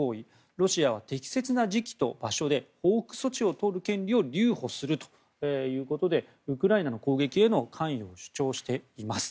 ロシアは適切な時期と場所で報復措置を取る権利を留保するということでウクライナの攻撃への関与を主張しています。